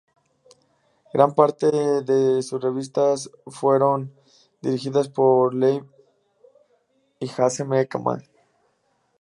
Gran parte de sus revistas fueron dirigidas por Leif Amble-Næss y Hasse Ekman.